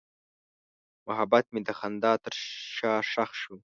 محبت مې د خندا تر شا ښخ شو.